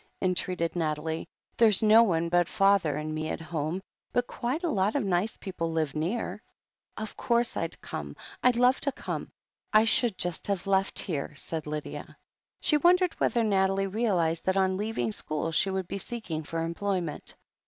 entreated Nathalie. "There's no one but father and me at home, but quite a lot of nice people live near." "Of course I'll come. I'd love to come. I should just have left here," said Lydia. She wondered whether Nathalie realized that on leaving school she would be seeking for employment.